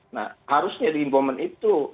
nah harusnya di moment itu